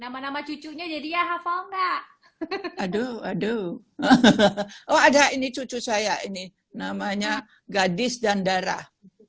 nama nama cucunya jadi ya hafal enggak aduh aduh oh ada ini cucu saya ini namanya gadis dan darah